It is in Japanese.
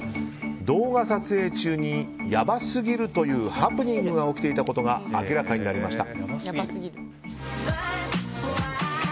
動画撮影中にやばすぎるというハプニングが起きていたことが明らかになりました。